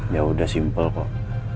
ya udah simple kok